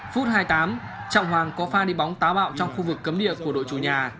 phút hai mươi tám trọng hoàng có pha đi bóng tá bạo trong khu vực cấm địa của đội chủ nhà